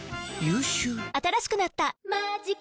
新しくなった「マジカ」